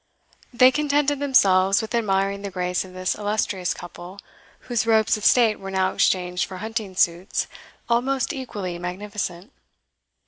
They contented themselves with admiring the grace of this illustrious couple, whose robes of state were now exchanged for hunting suits, almost equally magnificent.